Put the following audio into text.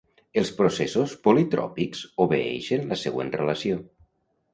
Els processos politròpics obeeixen la següent relació.